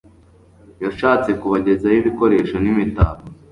yashatse kubagezaho ibikoresho n'imitako